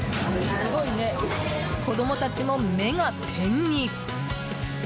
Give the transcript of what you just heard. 子供たちも、目が点に。